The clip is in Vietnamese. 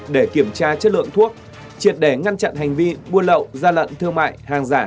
để kiểm tra chất lượng thuốc triệt đẻ ngăn chặn hành vi mua lậu ra lận thương mại hàng giả